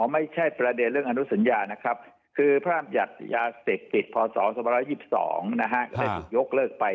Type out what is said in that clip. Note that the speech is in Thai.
ไม่ใช่ประเด็นเรื่องอนุสัญญานะครับคือพระอำหยัดยาเสพติดพศ๒๒ได้ถูกยกเลิกไป